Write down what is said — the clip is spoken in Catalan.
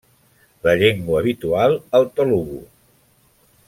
La llengua habitual el telugu.